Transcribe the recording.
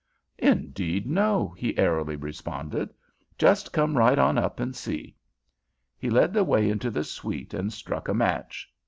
"Indeed, no," he airily responded. "Just come right on up and see." He led the way into the suite and struck a match.